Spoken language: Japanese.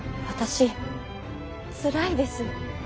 私つらいです。